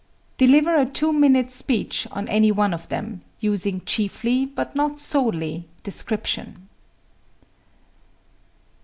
Deliver a two minute speech on any one of them, using chiefly, but not solely, description.